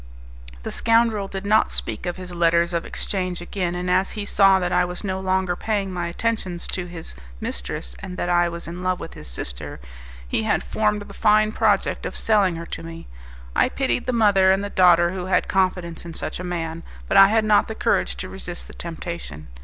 The scoundrel did not speak of his letters of exchange again, and as he saw that I was no longer paying my attentions to his mistress, and that I was in love with his sister, he had formed the fine project of selling her to me. I pitied the mother and the daughter who had confidence in such a man; but I had not the courage to resist the temptation.